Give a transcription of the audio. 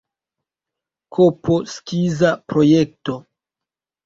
Kp skiza projekto.